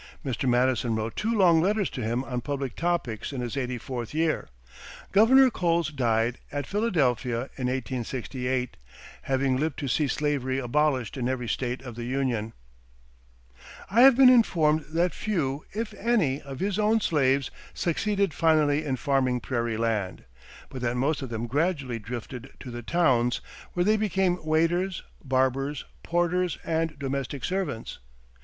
Mr. Madison wrote two long letters to him on public topics in his eighty fourth year. Governor Coles died at Philadelphia in 1868, having lived to see slavery abolished in every State of the Union. I have been informed that few, if any, of his own slaves succeeded finally in farming prairie land, but that most of them gradually drifted to the towns, where they became waiters, barbers, porters, and domestic servants.